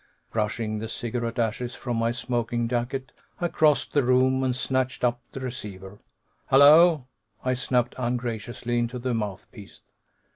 Brushing the cigarette ashes from my smoking jacket, I crossed the room and snatched up the receiver. "Hello!" I snapped ungraciously into the mouthpiece.